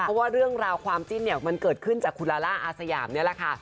เพราะว่าเรื่องราวความจิ้นเนี่ยมันเกิดขึ้นจากคุณลาล่าอาสยามนี่แหละค่ะ